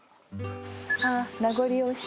ああ名残惜しい。